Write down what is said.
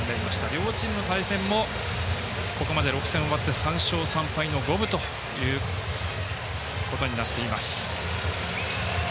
両チームの対戦もここまで６戦終わって３勝３敗の五分ということになっています。